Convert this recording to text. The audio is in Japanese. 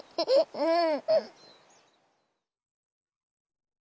うん？